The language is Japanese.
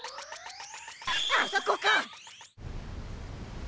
あそこか！